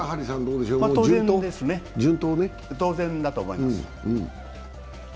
当然だと思います。